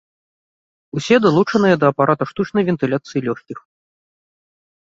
Усе далучаныя да апарата штучнай вентыляцыі лёгкіх.